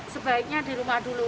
sebaiknya di rumah dulu